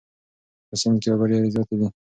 په سیند کې اوبه ډېرې زیاتې دي.